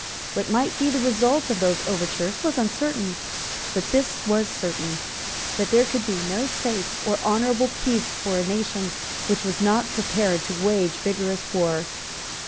What might be the result of those overtures, was uncertain; but this was certain, that there could be no safe or honourable peace for a nation which was not prepared to wage vigorous war.